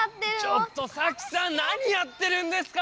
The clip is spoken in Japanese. ちょっとサキさん何やってるんですか！